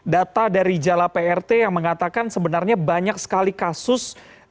data dari jala prt yang mengatakan sebenarnya banyak sekali kasus